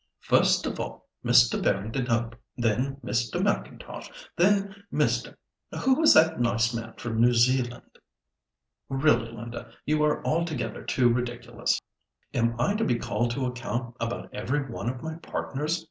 First of all Mr. Barrington Hope, then Mr. M'Intosh, then Mr.—who was that nice man from New Zealand?" "Really Linda, you are altogether too ridiculous. Am I to be called to account about every one of my partners?